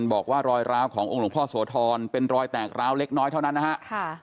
บอกว่ารอยร้าวขององค์หลวงพ่อโสธรเป็นรอยแตกร้าวเล็กน้อยเท่านั้นนะฮะ